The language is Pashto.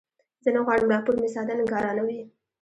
زه نه غواړم راپور مې ساده انګارانه وي.